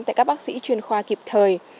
tại các bác sĩ chuyên khoa kịp thời